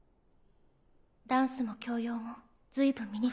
ダンスも教養も随分身に付いて。